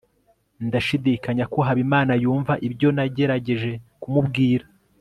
ndashidikanya ko habimana yumva ibyo nagerageje kumubwira